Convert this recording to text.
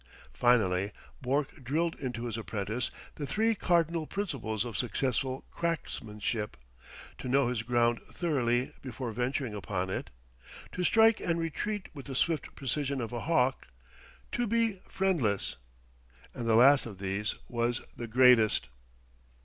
Finally Bourke drilled into his apprentice the three cardinal principles of successful cracksmanship: to know his ground thoroughly before venturing upon it; to strike and retreat with the swift precision of a hawk; to be friendless. And the last of these was the greatest.